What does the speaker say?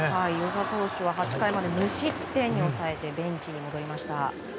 與座投手は８回まで無失点に抑えてベンチに戻りました。